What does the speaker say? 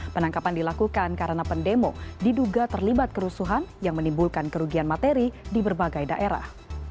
penangkapan dilakukan karena pendemo diduga terlibat kerusuhan yang menimbulkan kerugian materi di berbagai daerah